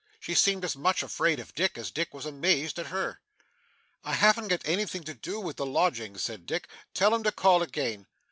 She seemed as much afraid of Dick, as Dick was amazed at her. 'I hav'n't got anything to do with the lodgings,' said Dick. 'Tell 'em to call again.